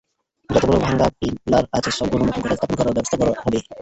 যতগুলো ভাঙা পিলার আছে সবগুলো নতুন করে স্থাপন করার ব্যবস্থা করা হবে।